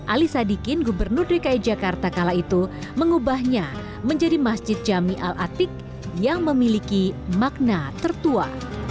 ali sadikin gubernur dki jakarta kala itu mengubahnya menjadi masjid jami al atik yang memiliki makna tertua